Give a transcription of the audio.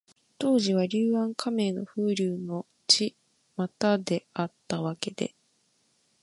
当時は、柳暗花明の風流のちまたであったわけで、